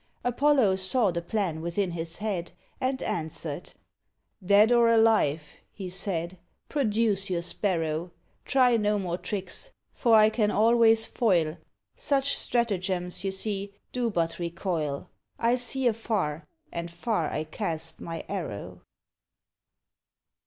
Apollo saw the plan within his head, And answered "Dead or alive," he said, "produce your sparrow. Try no more tricks, for I can always foil; Such stratagems, you see, do but recoil. I see afar, and far I cast my arrow."